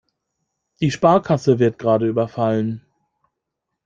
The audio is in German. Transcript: Die Sparkasse wird gerade überfallen.